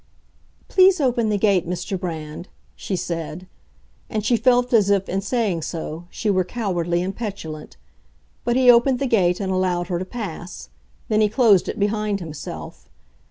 "Please open the gate, Mr. Brand," she said; and she felt as if, in saying so, she were cowardly and petulant. But he opened the gate, and allowed her to pass; then he closed it behind himself.